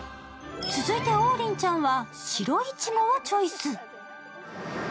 続いて王林ちゃんは白いちごをチョイス。